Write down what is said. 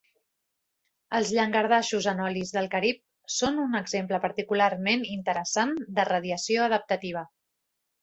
Els llangardaixos Anolis del Carib són un exemple particularment interessant de radiació adaptativa.